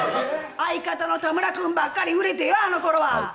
相方の田村君ばっかり売れてよ、あの頃は。